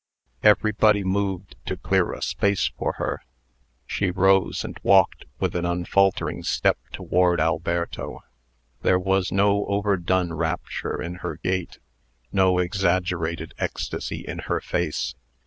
Everybody moved to clear a space for her. She rose, and walked with an unfaltering step toward Alberto. There was no overdone rapture in her gait; no exaggerated ecstasy in her face.